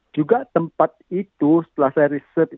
juga tempat itu setelah saya riset